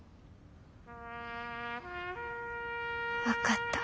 分かった。